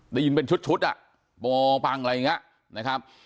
ได้ยินเป็นชุดอ่ะโมปังอะไรอย่างนี้นะครับ